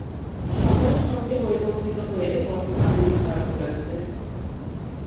সময়ের সংগে পরিবর্তিত হয়ে বর্তমান রূপ ধারণ করেছে।